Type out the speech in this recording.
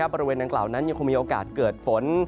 บริเวณดังกล่าวนั้นยังคงมีโอกาสเกิดฝน